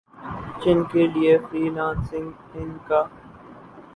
جن کے لیے فری لانسنگ ان کا